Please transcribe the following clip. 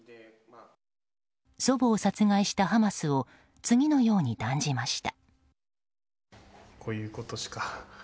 祖母を殺害したハマスを次のように断じました。